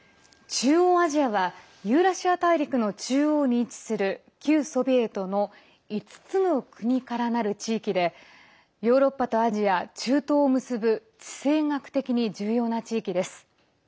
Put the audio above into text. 中央アジアはユーラシア大陸の中央に位置する旧ソビエトの５つの国からなる地域でヨーロッパとアジア、中東を結ぶ地政学的に重要な地域です。